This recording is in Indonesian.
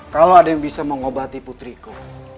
kalau ada yang bisa mengobati putriku